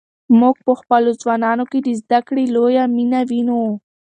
موږ په خپلو ځوانانو کې د زده کړې لویه مینه وینو.